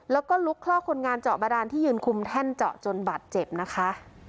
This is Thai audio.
แล้วก็ลุกคลอกคนงานเจาะบาดานที่ยืนคุมแท่นเจาะจนบาดเจ็บนะคะ